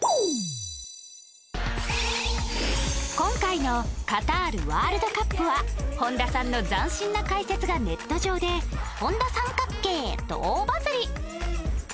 今回のカタールワールドカップは本田さんの斬新な解説がネット上で、本田△と大バズり！